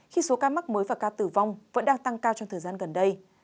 khi số ca mắc mới và ca tử vong vẫn đang tăng cao trong thời gian gần đây